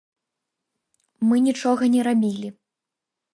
Мы нічога не рабілі.